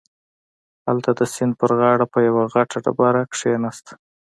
هلته د سيند پر غاړه په يوه غټه ډبره کښېناسته.